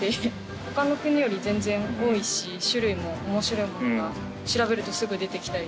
他の国より全然多いし種類も面白いものが調べると、すぐ出てきたり。